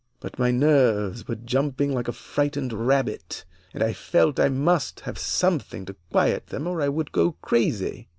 But my nerves were jumping like a frightened rabbit, and I felt I must have something to quiet them, or I would go crazy.